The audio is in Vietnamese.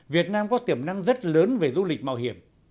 việt nam có tiềm năng rất lớn về du lịch mạo hiểm